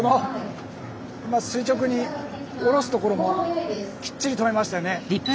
垂直に下ろすところもきっちり止めましたよね。